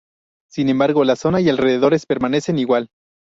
Sin embargo, la zona y alrededores, permanecen igual.